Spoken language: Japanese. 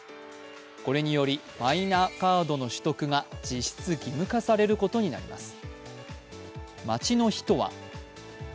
これにより、マイナカードの取得が実質義務化されることになります。